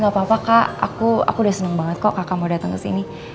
gak apa apa kak aku udah seneng banget kok kakak mau datang ke sini